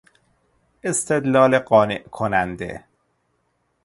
استدلال قانع کننده